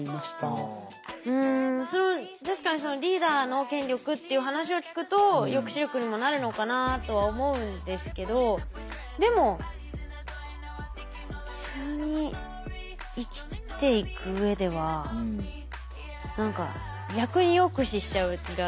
うん確かにリーダーの権力っていう話を聞くと抑止力にもなるのかなとは思うんですけどでも普通に生きていく上では何か逆に抑止しちゃう気が。